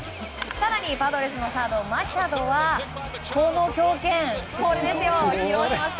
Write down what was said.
更にパドレスのサードマチャドはこの強肩を披露しました。